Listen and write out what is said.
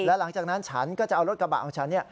หลังจากนั้นฉันก็จะเอารถกระบะของฉัน